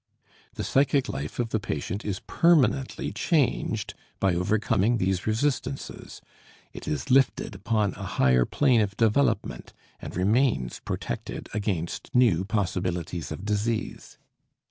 The psychic life of the patient is permanently changed by overcoming these resistances, it is lifted upon a higher plane of development and remains protected against new possibilities of disease.